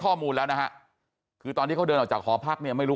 ออกไป